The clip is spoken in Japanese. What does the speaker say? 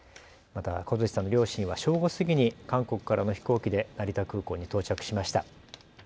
また小槌さんの両親は正午過ぎに韓国からの飛行機で成田空港に到着しました。